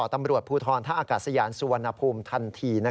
ตำรวจภูทรท่าอากาศยานสุวรรณภูมิทันที